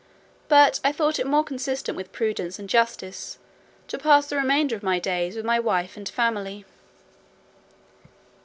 But I thought it more consistent with prudence and justice to pass the remainder of my days with my wife and family.